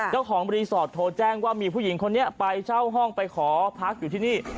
เจ้าของรีสอร์ทโทรแจ้งว่ามีผู้หญิงคนนี้ไปเช่าห้องไปขอพักอยู่ที่นี่